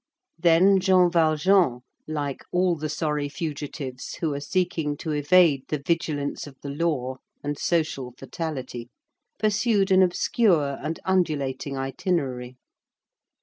Then Jean Valjean, like all the sorry fugitives who are seeking to evade the vigilance of the law and social fatality, pursued an obscure and undulating itinerary.